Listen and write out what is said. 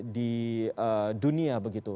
di dunia begitu